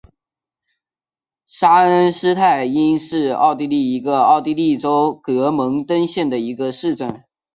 沙恩施泰因是奥地利上奥地利州格蒙登县的一个市镇。